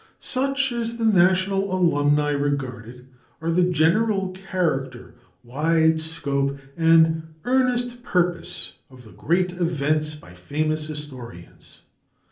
Such, as the National Alumni regard it, are the general character, wide scope, and earnest purpose of THE GREAT EVENTS BY FAMOUS HISTORIANS.